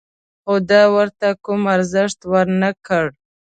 خو ده ورته کوم ارزښت ور نه کړ.